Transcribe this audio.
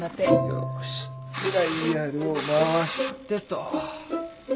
よーしダイヤルを回してと。